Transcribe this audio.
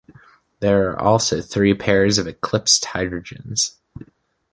There are also three pairs of eclipsed hydrogens.